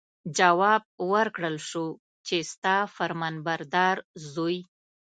جواب ورکړل شو چې ستا فرمانبردار زوی.